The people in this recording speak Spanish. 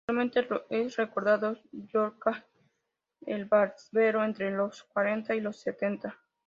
Igualmente es recordado Llorca el barbero, entre los cuarenta y los setenta.